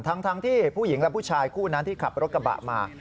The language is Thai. ทั้งที่ผู้หญิงและผู้ชายคู่นั้นที่ขับรถกระบะมา